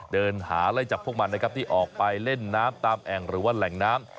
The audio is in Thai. เดินหาไล่จับพวกมันนะครับที่ออกไปเล่นน้ำตามแอ่งหรือว่าแหล่งน้ำ